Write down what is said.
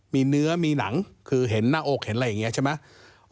มีเนื้อมีหนังคือเห็นหน้าอกเห็นอะไรอย่างนี้ใช่ไหม